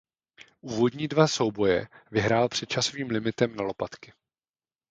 Úvodní dva souboje vyhrál před časovým limitem na lopatky.